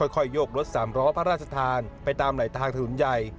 ค่อยยกรถสามล้อพระราชทานไปตามไหลทางถนนใหญ่